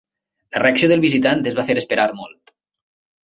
La reacció del visitant es va fer esperar molt.